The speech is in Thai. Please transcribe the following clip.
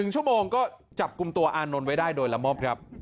๑ชั่วโมงก็จับกลุ่มตัวอานนท์ไว้ได้โดยละม่อมครับ